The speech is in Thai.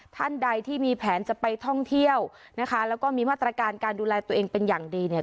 ท่านใดที่มีแผนจะไปท่องเที่ยวนะคะแล้วก็มีมาตรการการดูแลตัวเองเป็นอย่างดีเนี่ย